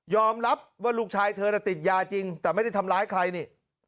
รับว่าลูกชายเธอน่ะติดยาจริงแต่ไม่ได้ทำร้ายใครนี่